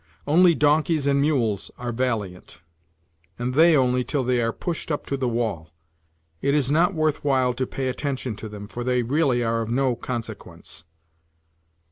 Only donkeys and mules are valiant, and they only till they are pushed up to the wall. It is not worth while to pay attention to them for they really are of no consequence.